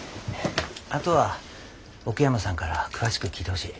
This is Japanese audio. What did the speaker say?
あとは奥山さんから詳しく聞いてほしい。